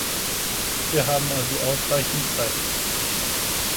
Wir haben also ausreichend Zeit.